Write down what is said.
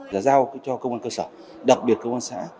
là giao cho công an cơ sở đặc biệt công an xã